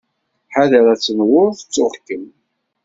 Ḥader ad tenwuḍ ttuɣ-kem!